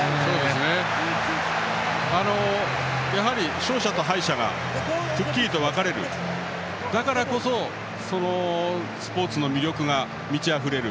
勝者と敗者がくっきりと分かれるだからこそスポーツの魅力が満ちあふれる。